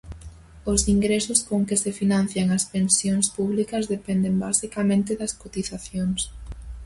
Os ingresos con que se financian as pensións públicas dependen basicamente das cotizacións.